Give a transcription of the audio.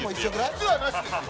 靴はなしですよ。